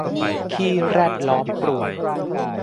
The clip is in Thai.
ขี้แรดล้อมปรวด